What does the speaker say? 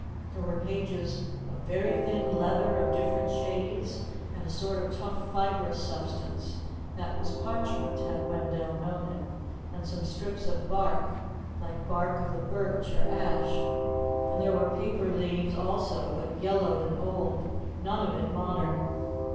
There were pages of very thin leather of different shades, and a sort of tough fibrous substance (that was parchment, had Wendell known it), and some strips of bark, like bark of the birch or ash. And there were paper leaves, also, but yellowed and old, none of it modern.